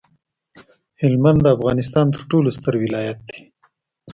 هلمند د افغانستان ترټولو ستر ولایت دی